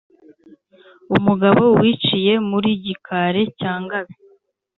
Umugabo wiciye muri Gikare cya Ngabe